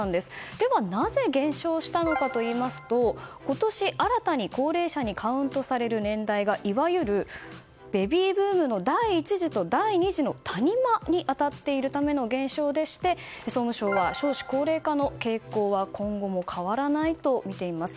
では、なぜ減少したのかというと今年、新たに高齢者にカウントされる年代がいわゆる、ベビーブームの第１次と第２次の谷間に当たっているための減少でして総務省は少子高齢化の傾向は今後も変わらないとみています。